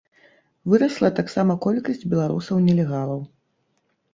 Вырасла таксама колькасць беларусаў-нелегалаў.